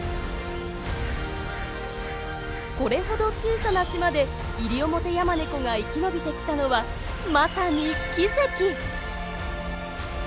これほど小さな島でイリオモテヤマネコが生き延びてきたのはまさに奇跡！